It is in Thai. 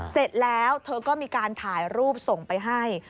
เสร็จแล้วเธอก็มีการถ่ายรูปส่งไปให้